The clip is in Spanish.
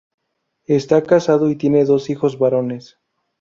Está casado y tiene dos hijos varones.